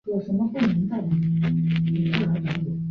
于比哈美和哥利逊双双因伤缺阵而取得大量上阵机会。